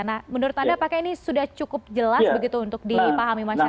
nah menurut anda apakah ini sudah cukup jelas begitu untuk dipahami masyarakat